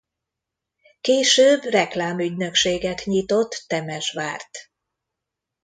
Később reklámügynökséget nyitott Temesvárt.